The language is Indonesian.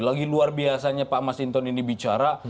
lagi luar biasanya pak masinton ini bicara